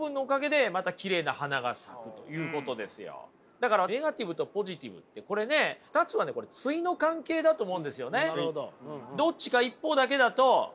だからネガティブとポジティブってこれね２つは対の関係だと思うんですよね。